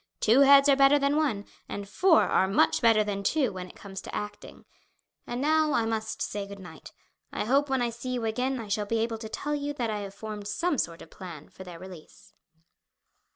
Two heads are better than one, and four are much better than two when it comes to acting. And now I must say good night. I hope when I see you again I shall be able to tell you that I have formed some sort of plan for their release."